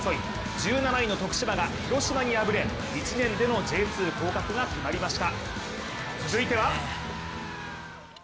１７位の徳島が広島に敗れ１年でのＪ２降格が決まりました。